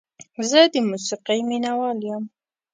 زه د موسیقۍ مینه وال یم.